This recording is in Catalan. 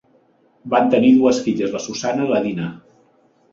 Van tenir dues filles, la Susanna i la Dinah.